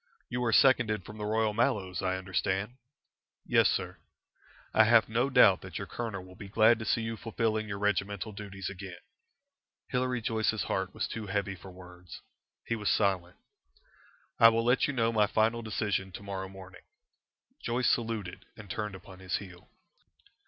You are seconded from the Royal Mallows, I understand?" "Yes, sir." "I have no doubt that your colonel will be glad to see you fulfilling your regimental duties again." Hilary Joyce's heart was too heavy for words. He was silent. "I will let you know my final decision to morrow morning." Joyce saluted and turned upon his heel."